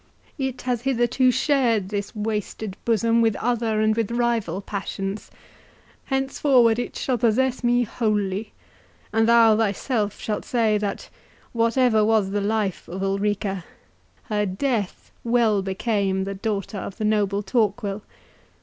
It has hitherto shared this wasted bosom with other and with rival passions—henceforward it shall possess me wholly, and thou thyself shalt say, that, whatever was the life of Ulrica, her death well became the daughter of the noble Torquil.